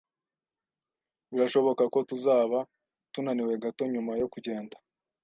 Birashoboka ko tuzaba tunaniwe gato nyuma yo kugenda